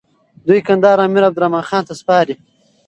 دوی کندهار امير عبدالرحمن خان ته سپاري.